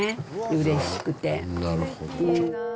うれしくて。